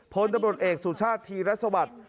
โพสต์ตำรวจเอกสุชาติธรรษวรรษ